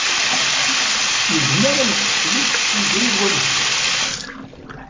Nezmer ad nessekles izri d wamha.